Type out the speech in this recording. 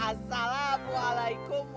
assalamualaikum warahmatullahi wabarakatuh